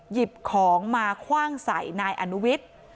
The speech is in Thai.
หยิบของมาคว่างใส่นายอนุวิทย์